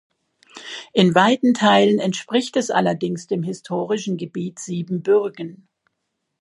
In weiten Teilen entspricht es allerdings dem historischen Gebiet Siebenbürgen.